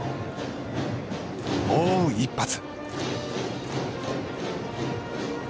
もう一発。